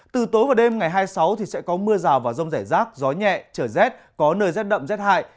từ tối và đêm ngày hai mươi sáu thì sẽ có mưa rào và rông rải rác gió nhẹ trở rét có nơi rét đậm rét hại